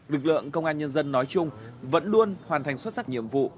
lực lượng công an nhân dân nói chung vẫn luôn hoàn thành xuất sắc nhiệm vụ